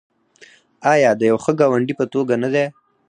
آیا د یو ښه ګاونډي په توګه نه دی؟